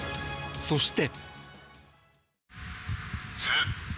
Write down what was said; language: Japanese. そして。